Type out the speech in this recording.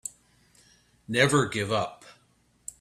Never give up.